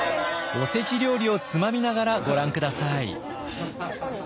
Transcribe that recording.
おせち料理をつまみながらご覧下さい。